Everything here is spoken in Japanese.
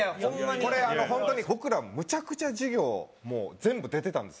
これ本当に僕らむちゃくちゃ授業全部出てたんですよ。